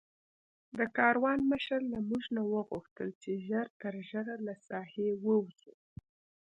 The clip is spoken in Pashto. د کاروان مشر له موږ نه وغوښتل چې ژر تر ژره له ساحې ووځو.